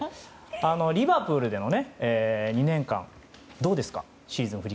リヴァプールでの２年間どうですか？